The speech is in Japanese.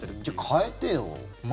じゃあ、変えてよ。